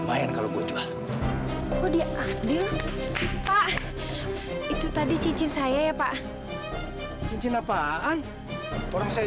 lumayan kalau gue jual kok dia abil pak itu tadi cincin saya ya pak cincin apaan orang saya